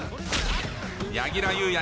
柳楽優弥